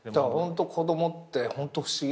子供ってホント不思議。